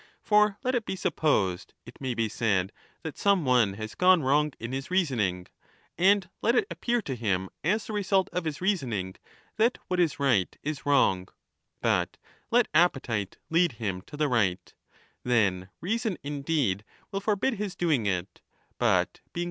For let it be supposed, it may be said, that some one has gone wrong in his reasoning, 20 and let it appear to him as the result of his reasoning that what is right is wrong, but let appetite lead him to the right ; then reason indeed will forbid his doing it, but being 38 1201^9= E.